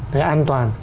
để an toàn